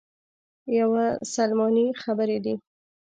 یوه سلماني خبرې دي.